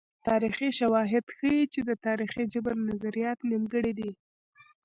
تاریخي شواهد ښيي چې د تاریخي جبر نظریات نیمګړي دي.